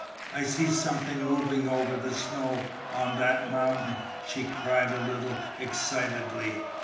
"I see something moving over the snow on that mountain!" she cried a little excitedly.